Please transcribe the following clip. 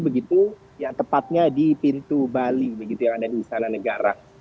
begitu yang tepatnya di pintu bali begitu yang ada di istana negara